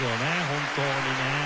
本当にね。